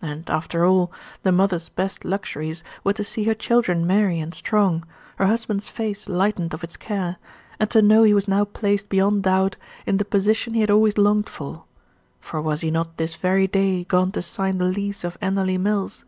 And, after all, the mother's best luxuries were to see her children merry and strong, her husband's face lightened of its care, and to know he was now placed beyond doubt in the position he had always longed for; for was he not this very day gone to sign the lease of Enderley Mills?